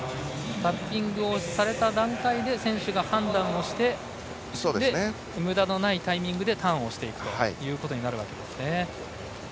タッピングをされた段階で選手が判断してむだのないタイミングでターンをしていくわけですね。